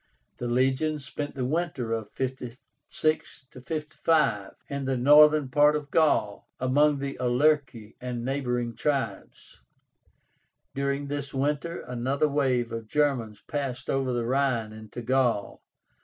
The legions spent the winter of 56 55 in the northern part of Gaul, among the Aulerci and neighboring tribes. During this winter another wave of Germans passed over the Rhine into Gaul.